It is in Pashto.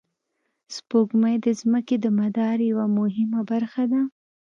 سپوږمۍ د ځمکې د مدار یوه مهمه برخه ده